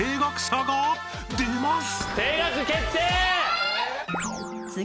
［出ます！］